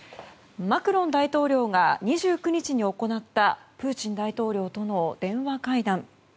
マクロン大統領が２９日に行ったプーチン大統領との電話会談。